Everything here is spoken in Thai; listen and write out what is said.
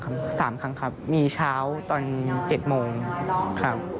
๓ครั้งครับมีเช้าตอน๗โมงครับ